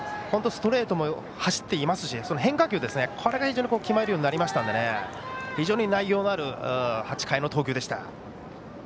ストレートも走っていますし変化球が非常に決まるようになりましたので非常に内容のある８回の投球でした。